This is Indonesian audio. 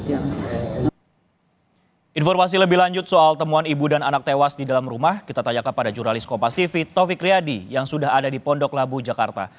informasi lebih lanjut soal temuan ibu dan anak tewas di dalam rumah kita tanyakan pada jurnalis kopastif taufik riyadi yang sudah ada di pondok labu jakarta